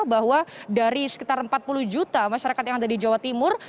bahwa dari sekitar empat puluh juta masyarakat yang ada di jawa timur